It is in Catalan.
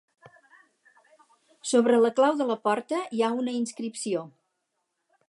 Sobre la clau de la porta hi ha una inscripció.